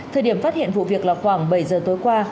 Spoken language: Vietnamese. thời điểm phát hiện vụ việc là khoảng bảy giờ tối qua